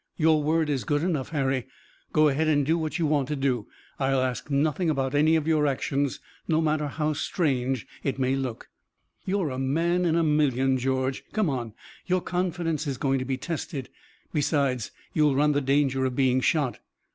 Your word is good enough, Harry. Go ahead and do what you want to do. I'll ask nothing about any of your actions, no matter how strange it may look." "You're a man in a million, George. Come on, your confidence is going to be tested. Besides, you'll run the danger of being shot."